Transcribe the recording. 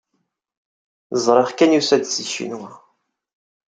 Ẓriɣ kan yusa-d seg Ccinwa.